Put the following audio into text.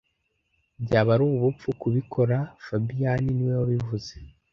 Byaba ari ubupfu kubikora fabien niwe wabivuze